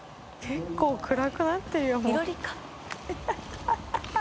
結構暗くなってるよ。